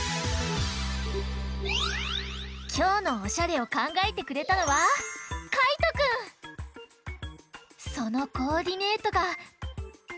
きょうのおしゃれをかんがえてくれたのはそのコーディネートがこちら！